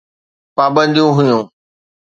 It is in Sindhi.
پابنديون هيون.